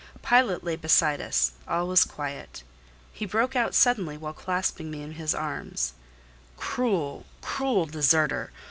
Pilot lay beside us: all was quiet. He broke out suddenly while clasping me in his arms— "Cruel, cruel deserter!